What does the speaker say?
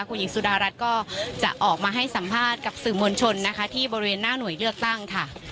คุณหญิงสุดารัฐก็จะออกมาให้สัมภาษณ์กับสื่อมวลชนนะคะที่บริเวณหน้าหน่วยเลือกตั้งค่ะ